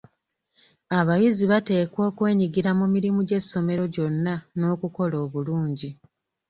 Abayizi bateekwa okwenyigira mu mirimu gy'essomero gyonna n'okukola obulungi.